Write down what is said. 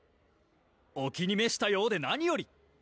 お気にめしたようで何より！